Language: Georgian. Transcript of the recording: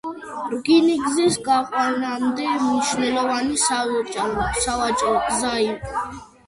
რკინიგზის გაყვანამდე მნიშვნელოვანი სავაჭრო გზა იყო.